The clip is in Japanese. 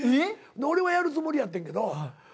俺はやるつもりやってんけど。